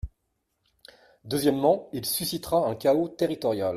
Deuxièmement, il suscitera un chaos territorial.